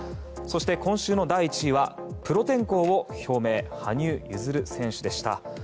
今週の第１位はプロ転向を表明羽生結弦選手でした。